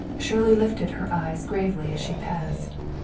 Shirley lifted her eyes gravely as she passed.